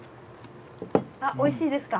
おいしいですか？